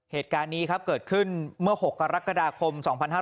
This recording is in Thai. เหตุการณ์นี้ครับเกิดขึ้นเมื่อ๖กรกฎาคม๒๕๕๙